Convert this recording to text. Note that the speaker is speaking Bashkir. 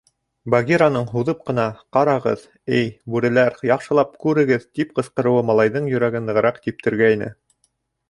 Багираның һуҙып ҡына: «Ҡарағыҙ, эй, бүреләр, яҡшылап күрегеҙ!» — тип ҡысҡырыуы малайҙың йөрәген нығыраҡ типтергәйне.